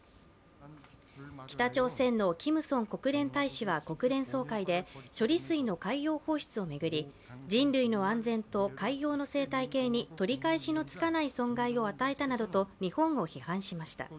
北朝鮮のキム・ソン国連大使は国連総会で処理水の海洋放出を巡り人類の安全と海洋の生態系にとりかえしのつかない損害を与えたなどと日本を批判しました。